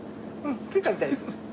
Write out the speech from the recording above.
着いたみたいです。